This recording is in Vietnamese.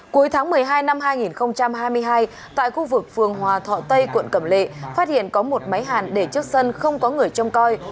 cuối tháng một mươi hai năm hai nghìn hai mươi hai tại khu vực phường hòa thọ tây quận cẩm lệ phát hiện có một máy hàn để trước sân không có người trông coi